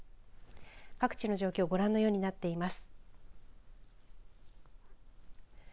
各地の状況ご覧のようになっています。